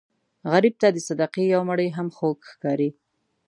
غریب ته د صدقې یو مړۍ هم خوږ ښکاري